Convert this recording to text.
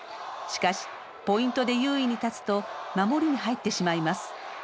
しかしポイントで優位に立つと守りに入ってしまいます。